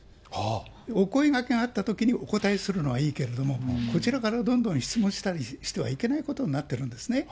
お声がけがあったときにお答えするのはいいけれども、こちらからどんどん質問したりしてはいけないことになっているんですね。